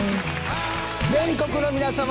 全国の皆様